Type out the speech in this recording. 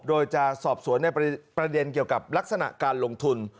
โดยจะสอบสวนในประเด็นเกี่ยวกับลักษณะการลงทุน